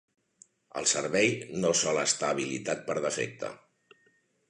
El servei no sol estar habilitat per defecte.